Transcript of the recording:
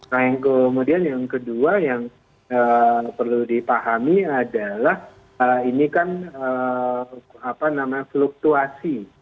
nah yang kemudian yang kedua yang perlu dipahami adalah ini kan fluktuasi